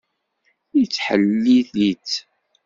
Yettḥellil-it.